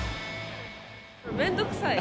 面倒くさい。